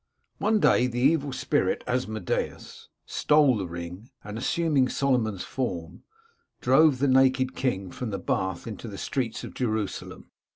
One day the evil spirit, Asmodeus, stole the ring, and, assuming Solomon's form, drove the naked king from the bath into the streets of Jerusalem.